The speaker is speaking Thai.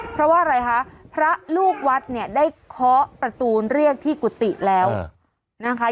เพราะว่าอะไรคะพระลูกวัดเนี่ยได้เคาะประตูเรียกที่กุฏิแล้วนะคะ